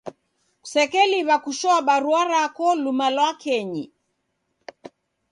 Kusekeliw'a kushoa barua rako luma lwa kenyi.